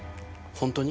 本当に。